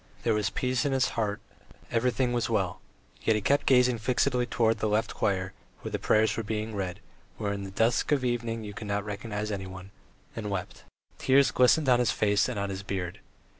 There was peace in his heart, everything was well, yet he kept gazing fixedly towards the left choir, where the prayers were being read, where in the dusk of evening you could not recognize anyone, and wept. Tears glistened on his face and on his beard.